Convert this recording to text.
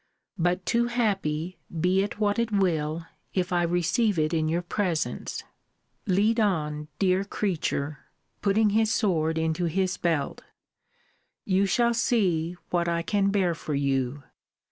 But too happy, be it what it will, if I receive it in your presence. Lead on, dear creature! [putting his sword into his belt] You shall see what I can bear for you.